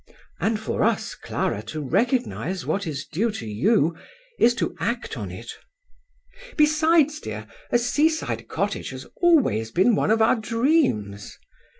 " And for us, Clara, to recognize what is due to you is to act on it." " Besides, dear, a sea side cottage has always been one of our dreams."